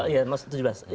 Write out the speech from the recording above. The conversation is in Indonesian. ya mas tujuh belas